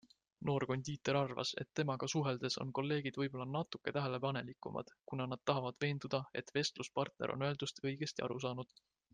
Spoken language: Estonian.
Noor kondiiter arvas, et temaga suheldes on kolleegid võibolla natuke tähelepanelikumad, kuna nad tahavad veenduda, et vestluspartner on öeldust õigesti aru saanud.